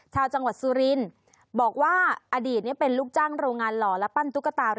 ชาวจังหวัดสุรินทร์บอกว่าอดีตเป็นลูกจ้างโรงงานหล่อและปั้นตุ๊กตา